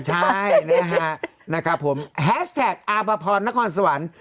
ใช่นะครับนะครับผมแฮชแท็กอาพพรนครสวรรค์